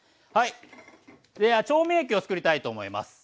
調味液をつくりたいと思います。